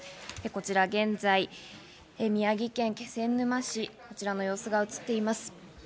こちら現在、宮城県気仙沼市、こちらの様子が映っています。